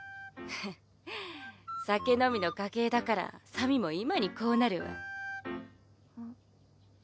ふっ酒飲みの家系だからさみも今にこうなるわ。